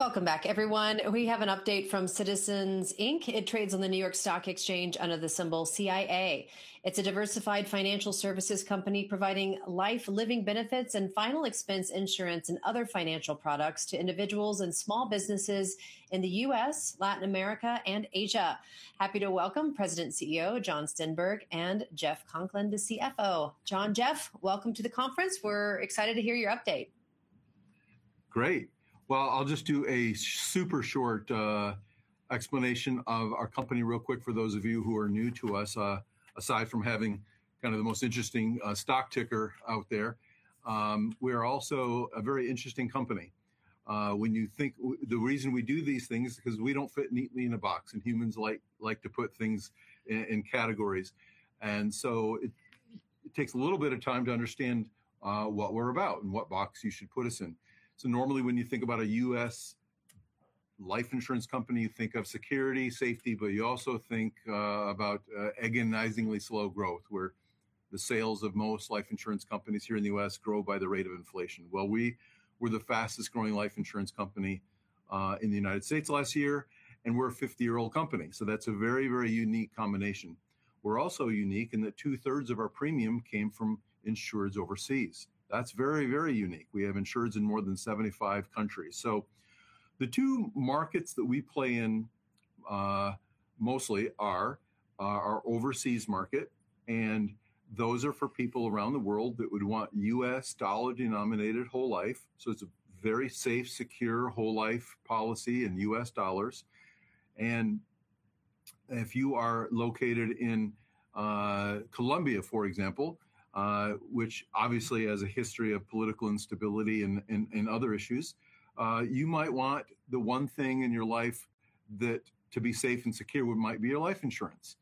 Welcome back, everyone. We have an update from Citizens, Inc. It trades on the New York Stock Exchange under the symbol CIA. It's a diversified financial services company providing life, living benefits, and final expense insurance and other financial products to individuals and small businesses in the U.S., Latin America, and Asia. Happy to welcome President CEO Jon Stenberg and Jeff Conklin, the CFO. John, Jeff, welcome to the conference. We're excited to hear your update. Great, well, I'll just do a super short explanation of our company real quick for those of you who are new to us, aside from having kind of the most interesting stock ticker out there. We are also a very interesting company. When you think the reason we do these things is because we don't fit neatly in a box, and humans like to put things in categories, and so it takes a little bit of time to understand what we're about and what box you should put us in, so normally, when you think about a U.S. life insurance company, you think of security, safety, but you also think about agonizingly slow growth, where the sales of most life insurance companies here in the U.S. grow by the rate of inflation. We were the fastest-growing life insurance company in the United States last year, and we're a 50-year-old company. That's a very, very unique combination. We're also unique in that two-thirds of our premium came from insureds overseas. That's very, very unique. We have insureds in more than 75 countries. The two markets that we play in mostly are our overseas market, and those are for people around the world that would want U.S. dollar-denominated whole life. It's a very safe, secure whole life policy in U.S. dollars. If you are located in Colombia, for example, which obviously has a history of political instability and other issues, you might want the one thing in your life that, to be safe and secure, might be your life insurance.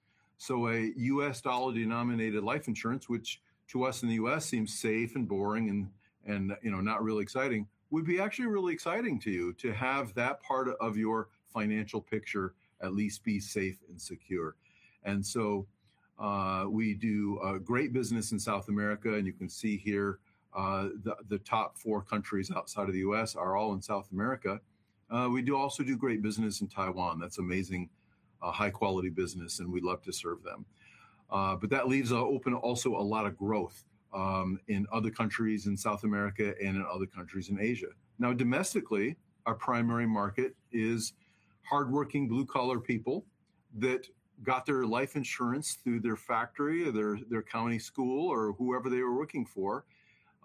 A U.S. dollar-denominated life insurance, which to us in the U.S. Seems safe and boring and not really exciting, would be actually really exciting to you to have that part of your financial picture at least be safe and secure. And so we do great business in South America, and you can see here the top four countries outside of the U.S. are all in South America. We also do great business in Taiwan. That's amazing, high-quality business, and we'd love to serve them. But that leaves open also a lot of growth in other countries in South America and in other countries in Asia. Now, domestically, our primary market is hardworking blue-collar people that got their life insurance through their factory or their county school or whoever they were working for,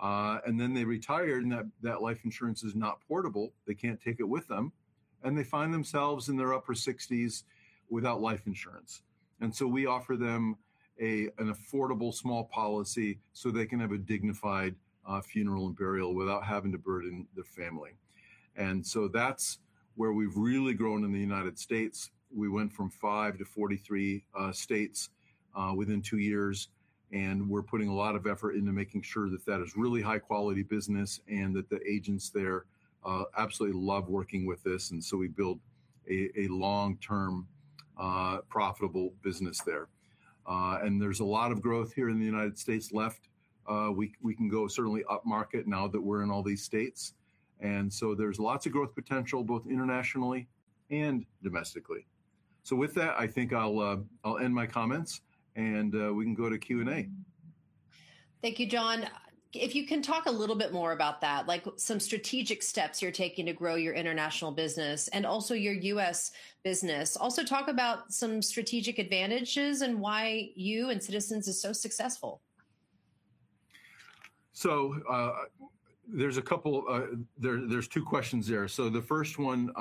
and then they retired, and that life insurance is not portable. They can't take it with them, and they find themselves in their upper 60s without life insurance. And so we offer them an affordable small policy so they can have a dignified funeral and burial without having to burden their family. And so that's where we've really grown in the United States. We went from five to 43 states within two years, and we're putting a lot of effort into making sure that that is really high-quality business and that the agents there absolutely love working with this. And so we build a long-term, profitable business there. And there's a lot of growth here in the United States left. We can go certainly upmarket now that we're in all these states. And so there's lots of growth potential both internationally and domestically. So with that, I think I'll end my comments, and we can go to Q&A. Thank you, Jon. If you can talk a little bit more about that, like some strategic steps you're taking to grow your international business and also your U.S. business. Also talk about some strategic advantages and why you and Citizens are so successful. So there's a couple, there's two questions there. So the first one,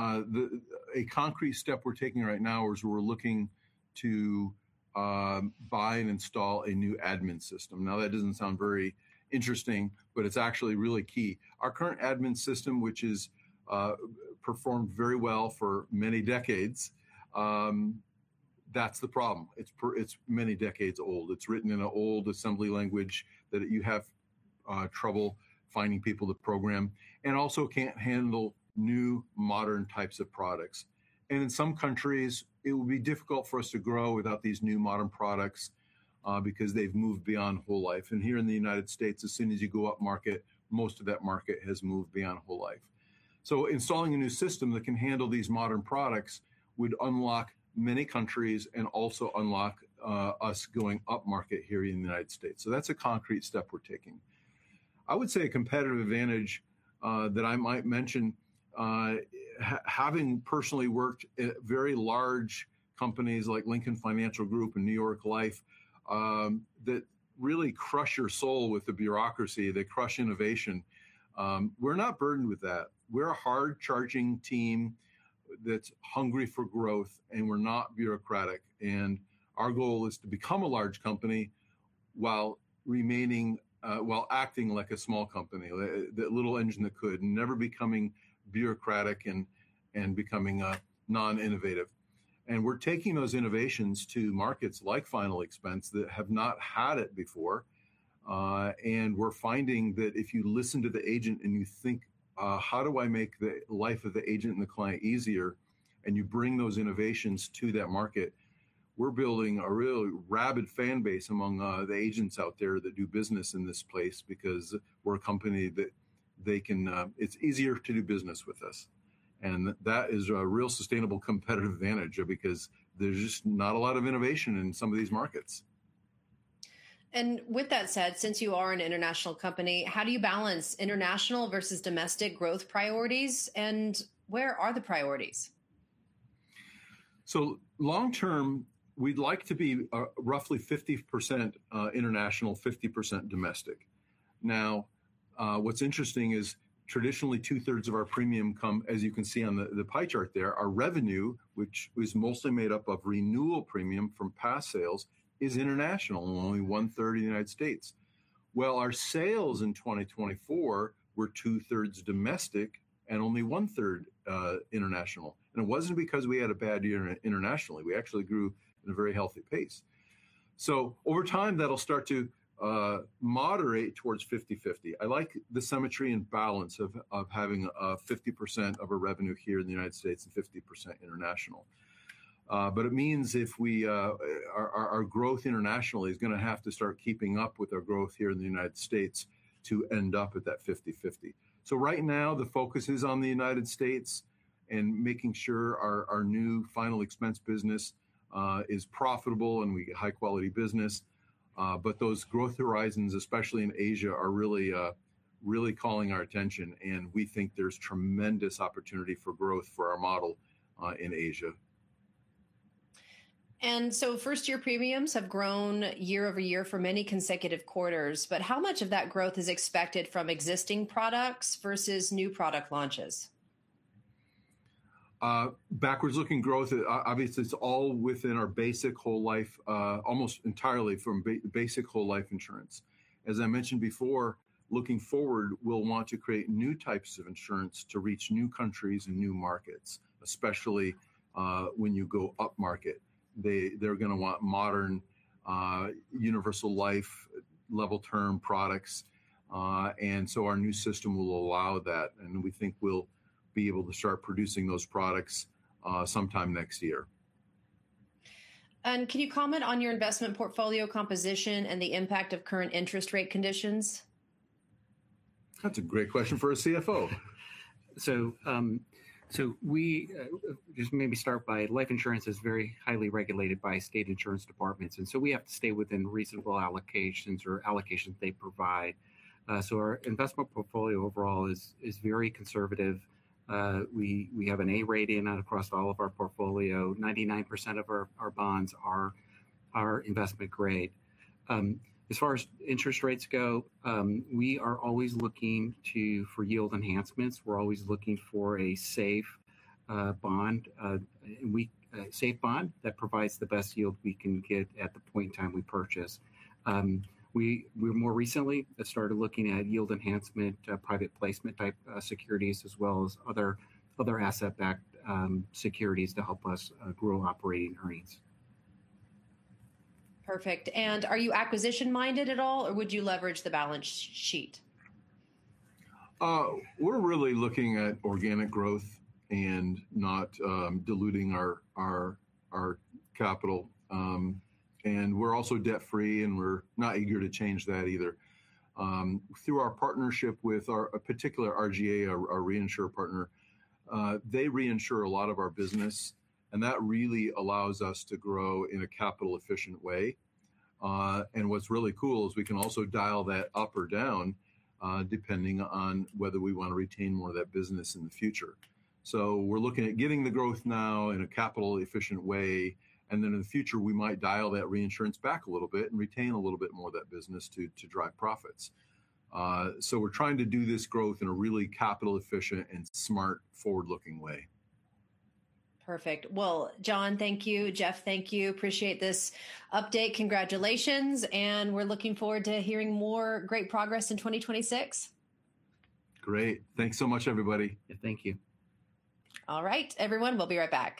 a concrete step we're taking right now is we're looking to buy and install a new admin system. Now, that doesn't sound very interesting, but it's actually really key. Our current admin system, which has performed very well for many decades, that's the problem. It's many decades old. It's written in an old assembly language that you have trouble finding people to program and also can't handle new modern types of products. And in some countries, it will be difficult for us to grow without these new modern products because they've moved beyond whole life. And here in the United States, as soon as you go upmarket, most of that market has moved beyond whole life. Installing a new system that can handle these modern products would unlock many countries and also unlock us going upmarket here in the United States. That's a concrete step we're taking. I would say a competitive advantage that I might mention, having personally worked at very large companies like Lincoln Financial Group and New York Life, that really crush your soul with the bureaucracy. They crush innovation. We're not burdened with that. We're a hard-charging team that's hungry for growth, and we're not bureaucratic. Our goal is to become a large company while acting like a small company, that little engine that could, never becoming bureaucratic and becoming non-innovative. We're taking those innovations to markets like final expense that have not had it before. We're finding that if you listen to the agent and you think, "How do I make the life of the agent and the client easier?" and you bring those innovations to that market, we're building a real rabid fan base among the agents out there that do business in this place because we're a company that they can, it's easier to do business with us. That is a real sustainable competitive advantage because there's just not a lot of innovation in some of these markets. With that said, since you are an international company, how do you balance international versus domestic growth priorities, and where are the priorities? So long-term, we'd like to be roughly 50% international, 50% domestic. Now, what's interesting is traditionally two-thirds of our premium come, as you can see on the pie chart there, our revenue, which is mostly made up of renewal premium from past sales, is international, only one-third in the United States. Well, our sales in 2024 were two-thirds domestic and only one-third international. And it wasn't because we had a bad year internationally. We actually grew at a very healthy pace. So over time, that'll start to moderate towards 50/50. I like the symmetry and balance of having 50% of our revenue here in the United States and 50% international. But it means if our growth internationally is going to have to start keeping up with our growth here in the United States to end up at that 50/50. So right now, the focus is on the United States and making sure our new final expense business is profitable and we get high-quality business. But those growth horizons, especially in Asia, are really calling our attention, and we think there's tremendous opportunity for growth for our model in Asia. First-year premiums have grown year over year for many consecutive quarters. How much of that growth is expected from existing products versus new product launches? Backward-looking growth, obviously, it's all within our basic whole life, almost entirely from basic whole life insurance. As I mentioned before, looking forward, we'll want to create new types of insurance to reach new countries and new markets, especially when you go upmarket. They're going to want modern universal life level term products. And so our new system will allow that, and we think we'll be able to start producing those products sometime next year. Can you comment on your investment portfolio composition and the impact of current interest rate conditions? That's a great question for a CFO. Life insurance is very highly regulated by state insurance departments. We have to stay within reasonable allocations or allocations they provide. Our investment portfolio overall is very conservative. We have an A rating across all of our portfolio. 99% of our bonds are investment grade. As far as interest rates go, we are always looking for yield enhancements. We're always looking for a safe bond that provides the best yield we can get at the point in time we purchase. We more recently started looking at yield-enhancement, private placement type securities, as well as other asset-backed securities to help us grow operating earnings. Perfect. And are you acquisition-minded at all, or would you leverage the balance sheet? We're really looking at organic growth and not diluting our capital, and we're also debt-free, and we're not eager to change that either. Through our partnership with a particular RGA, our reinsurance partner, they reinsure a lot of our business, and that really allows us to grow in a capital-efficient way, and what's really cool is we can also dial that up or down depending on whether we want to retain more of that business in the future, so we're looking at getting the growth now in a capital-efficient way, and then in the future, we might dial that reinsurance back a little bit and retain a little bit more of that business to drive profits. So we're trying to do this growth in a really capital-efficient and smart, forward-looking way. Perfect. Well, Jon, thank you. Jeff, thank you. Appreciate this update. Congratulations. And we're looking forward to hearing more great progress in 2026. Great. Thanks so much, everybody. Thank you. All right, everyone. We'll be right back.